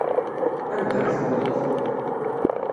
Anda i tewwḍeḍ?